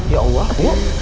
ya allah bu